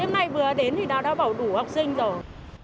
hôm nay vừa đến thì nó đã bảo đủ học sinh rồi